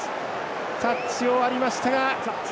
タッチを割りましたが。